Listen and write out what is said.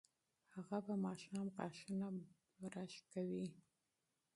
هغه به ماښام غاښونه برس کوي.